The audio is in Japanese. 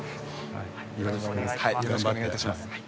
はいよろしくお願い致します。